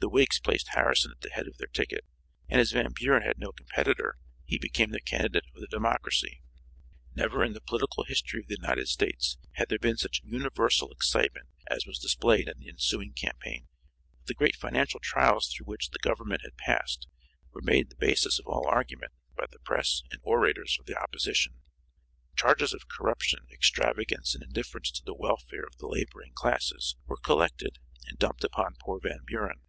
The Whigs placed Harrison at the head of their ticket and as Van Buren had no competitor, he became the candidate of the Democracy. Never in the political history of the United States had there been such universal excitement as was displayed in the ensuing campaign. The great financial trials through which the government had passed were made the basis of all argument by the press and orators for the opposition. Charges of corruption, extravagance and indifference to the welfare of the laboring classes were collected and dumped upon poor Van Buren.